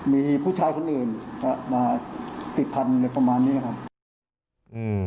มีผู้ชายคนอื่นมาติดพันธุ์อะไรประมาณนี้ครับ